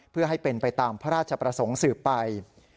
เพื่อให้เป็นไปตามพระราชประสงค์สืบไป